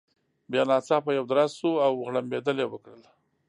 بیا ناڅاپه یو درز شو، او غړمبېدل يې وکړل.